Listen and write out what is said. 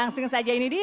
langsung saja ini dia